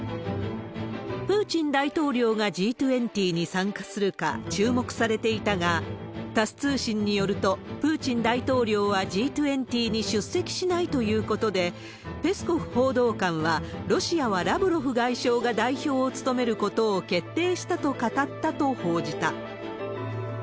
プーチン大統領がＧ２０に参加するか注目されていたが、タス通信によると、プーチン大統領はＧ２０に出席しないということで、ペスコフ報道官は、ロシアはラブロフ外相が代表を務めることを決定したと語ったと報じた。